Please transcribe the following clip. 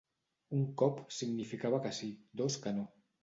Un cop significava que sí, dos que no.